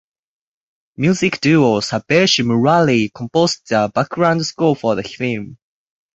Music duo Sabesh–Murali composed the background score for the film.